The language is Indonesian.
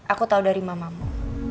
aku tahu dari mamamu